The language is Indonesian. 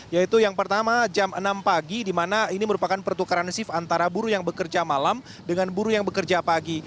yaitu yang pertama jam enam pagi di mana ini merupakan pertukaran shift antara buruh yang bekerja malam dengan buruh yang bekerja pagi